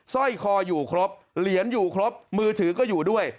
สร้อยคออยู่ครบเหรียญอยู่ครบมือถือก็อยู่ด้วย